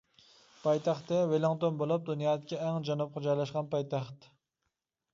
پايتەختى: ۋېللىڭتون بولۇپ، دۇنيادىكى ئەڭ جەنۇبقا جايلاشقان پايتەخت.